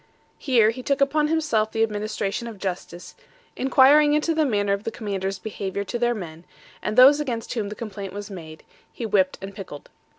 Here he took upon himself the administration of justice, inquiring into the manner of the commanders' behaviour to their men, and those against whom complaint was made, he whipped and pickled.